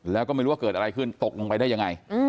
แล้วก็ไม่รู้ว่าเกิดอะไรขึ้นตกลงไปได้ยังไง